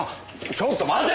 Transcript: ちょっと待て！